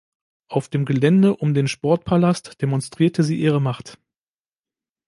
Auf dem Gelände um den Sportpalast demonstrierte sie ihre Macht.